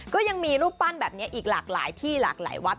ก็ยังมีรูปปั้นแบบนี้อีกหลากหลายที่หลากหลายวัด